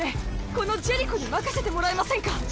このジェリコに任せてもらえませんか？